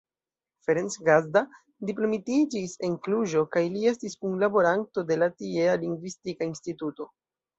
Ferenc Gazda diplomitiĝis en Kluĵo kaj li estis kunlaboranto de la tiea Lingvistika Instituto.